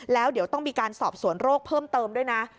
แล้วเดี๋ยวต้องมีการสอบสวนโรคเพิ่มเติมด้วยนะ